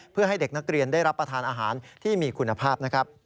เพื่อให้เด็กนักเรียนได้รับประทานอาหารที่มีคุณภาพนะครับ